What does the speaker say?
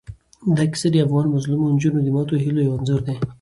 دا کیسه د افغان مظلومو نجونو د ماتو هیلو یو انځور دی.